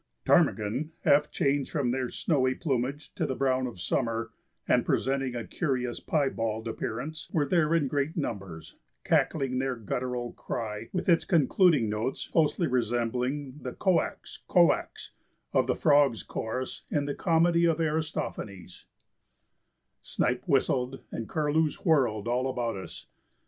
Ptarmigan, half changed from their snowy plumage to the brown of summer, and presenting a curious piebald appearance, were there in great numbers, cackling their guttural cry with its concluding notes closely resembling the "ko ax, ko ax" of the Frogs' Chorus in the comedy of Aristophanes; snipe whistled and curlews whirled all about us.